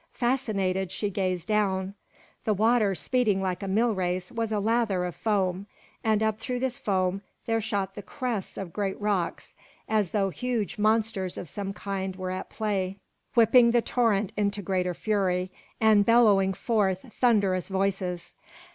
Fascinated she gazed down. The water, speeding like a millrace, was a lather of foam; and up through this foam there shot the crests of great rocks, as though huge monsters of some kind were at play, whipping the torrent into greater fury, and bellowing forth thunderous voices.